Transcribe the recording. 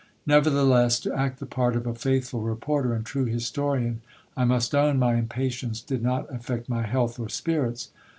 Nevertheless, to act the part of a faithful reporter and true historian, I must own my impatience did not affect my health or spirits.